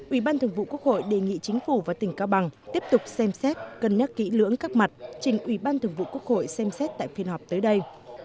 ubthqh đề nghị chính phủ và tỉnh cao bằng tiếp tục xem xét cân nhắc kỹ lưỡng các mặt trình ubthqh xem xét tại phiên họp tới đây